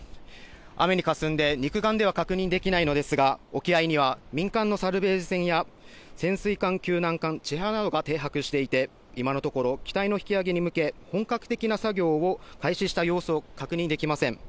雨に霞んで肉眼では確認できないのですが、沖合には民間のサルベージ船や潜水艦救難艦「ちはや」が停泊していて、今のところ機体の引き揚げに向け、本格的な作業開始した様子を確認できません。